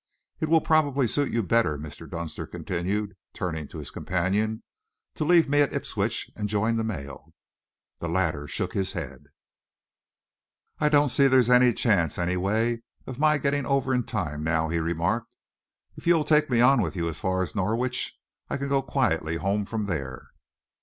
"It will probably suit you better," Mr. Dunster continued, turning to his companion, "to leave me at Ipswich and join the mail." The latter shook his head. "I don't see that there's any chance, anyway, of my getting over in time now," he remarked. "If you'll take me on with you as far as Norwich, I can go quietly home from there!"